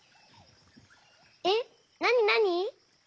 えっなになに？